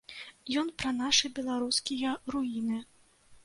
Ён пра нашы беларускія руіны.